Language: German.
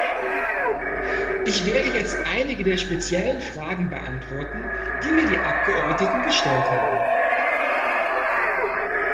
Ich werde jetzt einige der speziellen Fragen beantworten, die mir die Abgeordneten gestellt haben.